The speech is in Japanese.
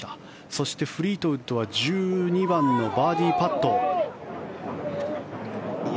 そしてフリートウッドは１２番のバーディーパット。